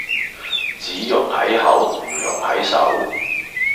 只溶喺口唔溶喺手